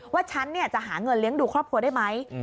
ว่าฉันจะหาเงินเลี้ยงดูครอบครัวได้ไหม